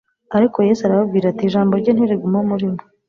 Ariko Yesu arababwira ati: " Ijambo rye ntiriguma muri mwe."